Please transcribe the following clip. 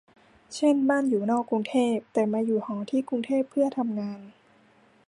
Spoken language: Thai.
เช่นบ้านอยู่นอกกรุงเทพ แต่มาอยู่หอที่กรุงเทพเพื่อทำงาน